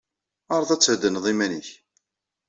Ɛreḍ ad theddneḍ iman-ik.